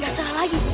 eh gak salah lagi